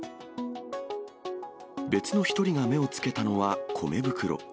別の１人が目をつけたのは、米袋。